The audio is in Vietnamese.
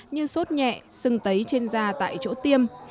như sốt nhẹ sưng tấy trên da tại chỗ tiêm